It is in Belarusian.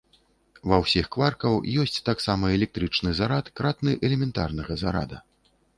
Ва ўсіх кваркаў ёсць таксама электрычны зарад, кратны элементарнага зарада.